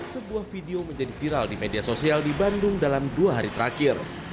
sebuah video menjadi viral di media sosial di bandung dalam dua hari terakhir